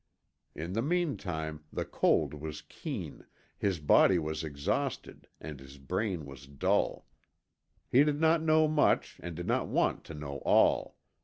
In the meantime, the cold was keen, his body was exhausted and his brain was dull. He did not know much and did not want to know all.